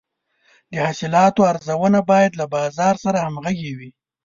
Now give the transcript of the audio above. د حاصلاتو ارزونه باید له بازار سره همغږې وي.